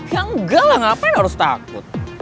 ya enggak lah ngapain harus takut